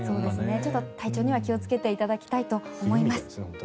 ちょっと体調には気をつけていただきたいと思います。